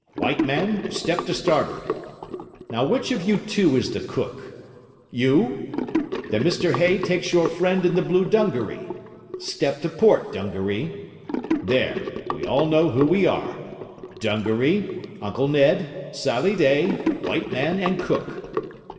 White Man, step to starboard. Now which of you two is the cook? You? Then Mr Hay takes your friend in the blue dungaree. Step to port, Dungaree. There, we know who we all are: Dungaree, Uncle Ned, Sally Day, White Man, and Cook.